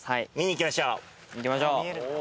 行きましょう。